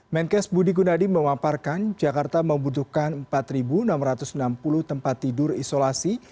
menkes budi gunadi memaparkan jakarta membutuhkan empat enam ratus enam puluh tempat tidur isolasi